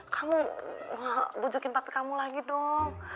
kamu bujukin pakai kamu lagi dong